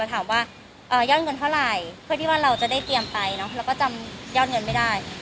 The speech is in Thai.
ถามว่ายอดเงินเท่าไหร่เพื่อที่ว่าเราจะได้เตรียมไปแล้วก็จำยอดเงินไม่ได้